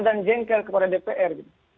dan jengkel kepada dpr